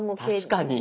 確かに！